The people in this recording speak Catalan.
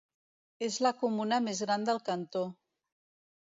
És la comuna més gran del cantó.